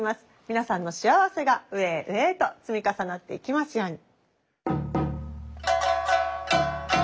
皆さんの幸せが上へ上へと積み重なっていきますように。